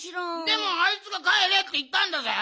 でもあいつが「かえれ」っていったんだぜ？